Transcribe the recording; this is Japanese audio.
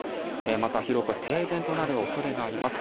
また広く停電となるおそれがあります。